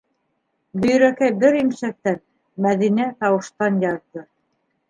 Бөйрәкәй бер имсәктән, Мәҙинә тауыштан яҙҙы.